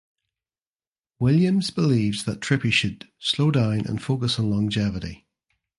Williams believes that Trippie should "slow down and focus on longevity".